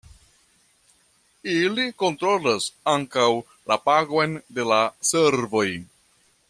Ili kontrolas ankaŭ la pagon de la servoj.